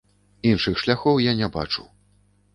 Іншых шляхоў я не бачу.